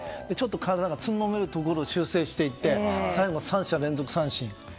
体がつんのめるところを修正して最後、３者連続三振。